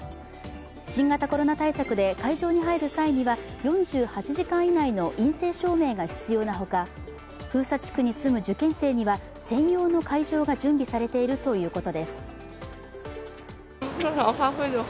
新型コロナ対策で会場に入る際には４８時間以内の陰性証明が必要なほか封鎖地区に住む受験生には専用の会場が準備されているということです。